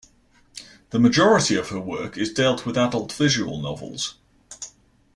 The majority of her work is dealt with adult visual novels.